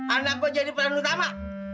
anak gue jadi peran utama